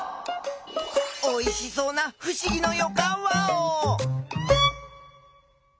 おいしそうなふしぎのよかんワオ！